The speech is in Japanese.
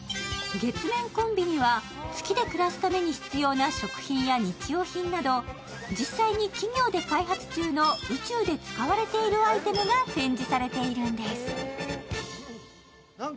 月面コンビニは月で暮らすために必要な食品や日用品など実際に企業で開発中の宇宙で使われているアイテムが展示されているんです。